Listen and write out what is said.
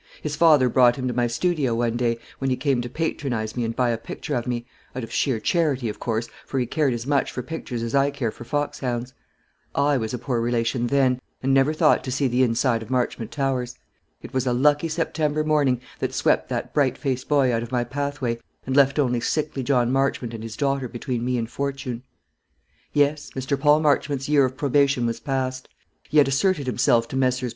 His father brought him to my studio one day, when he came to patronise me and buy a picture of me, out of sheer charity, of course, for he cared as much for pictures as I care for foxhounds. I was a poor relation then, and never thought to see the inside of Marchmont Towers. It was a lucky September morning that swept that bright faced boy out of my pathway, and left only sickly John Marchmont and his daughter between me and fortune." Yes; Mr. Paul Marchmont's year of probation was past. He had asserted himself to Messrs.